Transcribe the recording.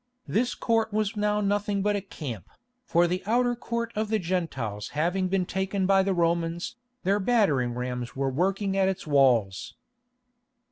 This court now was nothing but a camp, for the outer Court of the Gentiles having been taken by the Romans, their battering rams were working at its walls.